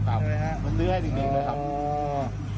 มันซื้อให้ดีเลยครับ